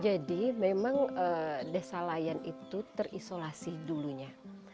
memang desa layan itu terisolasi dulunya